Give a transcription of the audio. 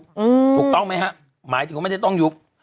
ถูกต้องไหมฮะหมายถึงว่าไม่ได้ต้องยุบ